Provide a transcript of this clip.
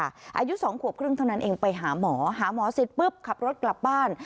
อายุ๒ขวบครึ่งเท่านั้นเองไปหาหมอหาหมอเสร็จปุ๊บขับรถกลับบ้าน